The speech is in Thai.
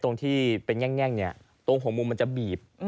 ตรงที่แย่งเนี้ยตรงของมูมมันจะบีบ